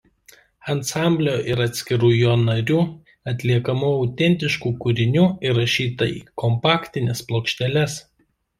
Ansamblio ir atskirų jo narių atliekamų autentiškų kūrinių įrašyta į kompaktines plokšteles.